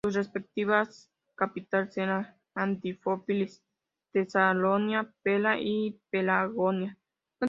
Sus respectivas capitales eran Anfípolis, Tesalónica, Pela y Pelagonia.